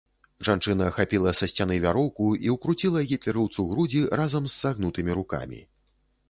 Жанчына хапіла са сцяны вяроўку і ўкруціла гітлераўцу грудзі, разам з сагнутымі рукамі.